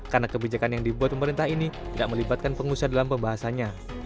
karena kebijakan yang dibuat pemerintah ini tidak melibatkan pengusaha dalam pembahasannya